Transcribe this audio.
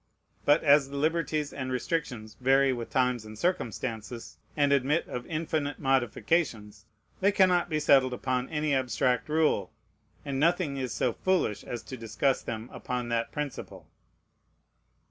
But as the liberties and the restrictions vary with times and circumstances, and admit of infinite modifications, they cannot be settled upon any abstract rule; and nothing is so foolish as to discuss them upon that principle.